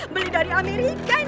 beli dari amerika ini bu